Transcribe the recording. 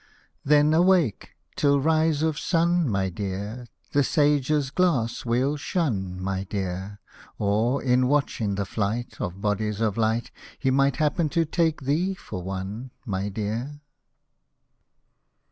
Then awake !— till rise of sun, my dear, The Sage's glass we'll shun, my dear. Or, in watching the flight Of bodies of light, He might happen to take thee for one, my dear.